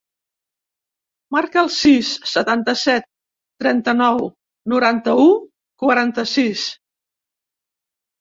Marca el sis, setanta-set, trenta-nou, noranta-u, quaranta-sis.